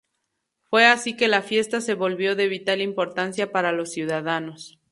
Fue así que la fiesta se volvió de vital importancia para los ciudadanos.